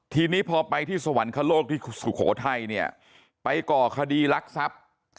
ทีนี้พอไปที่สวรรคโลกที่สุโขทัยเนี่ยไปก่อคดีรักทรัพย์